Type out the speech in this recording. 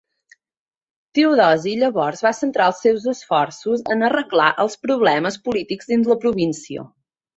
Teodosi llavors va centrar els seus esforços en arreglar els problemes polítics dins de la província.